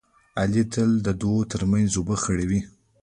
علي تل د دوو ترمنځ اوبه خړوي.